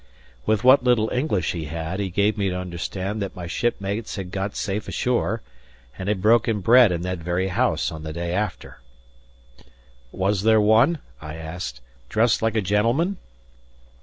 With what little English he had, he gave me to understand that my shipmates had got safe ashore, and had broken bread in that very house on the day after. "Was there one," I asked, "dressed like a gentleman?"